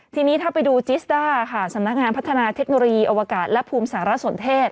ทีนี้ถ้าไปดูจิสด้าค่ะสำนักงานพัฒนาเทคโนโลยีอวกาศและภูมิสารสนเทศ